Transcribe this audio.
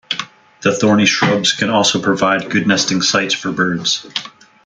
The thorny shrubs can also provide good nesting sites for birds.